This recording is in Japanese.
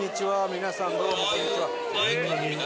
皆さんどうもこんにちは。